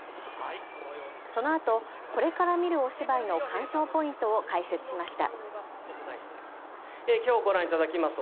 そのあとこれから見るお芝居の鑑賞ポイントを解説しました。